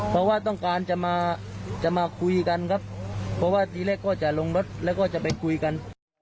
เพราะว่าต้องการจะมาจะมาคุยกันครับเพราะว่าทีแรกก็จะลงรถแล้วก็จะไปคุยกัน